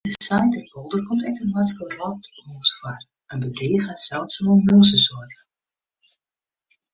Yn de Saiterpolder komt ek de Noardske wrotmûs foar, in bedrige en seldsume mûzesoarte.